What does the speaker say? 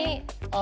あ。